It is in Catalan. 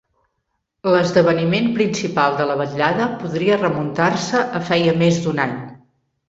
L'esdeveniment principal de la vetllada podria remuntar-se a feia més d'un any.